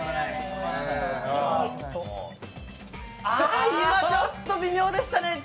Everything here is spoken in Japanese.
ああ、今ちょっと微妙でしたね。